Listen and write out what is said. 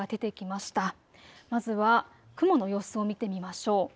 まずは雲の様子を見てみましょう。